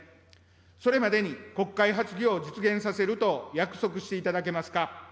それまでに国会発議を実現させると約束していただけますか。